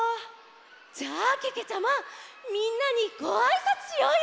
じゃあけけちゃまみんなにごあいさつしようよ！